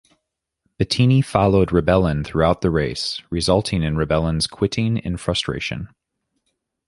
Bettini followed Rebellin throughout the race, resulting in Rebellin's quitting in frustration.